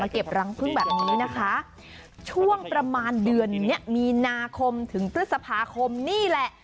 เก็บรังพึ่งแบบนี้นะคะช่วงประมาณเดือนเนี้ยมีนาคมถึงพฤษภาคมนี่แหละ